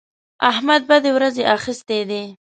احمد بدې ورځې اخيستی دی.